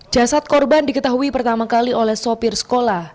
jasad korban diketahui pertama kali oleh sopir sekolah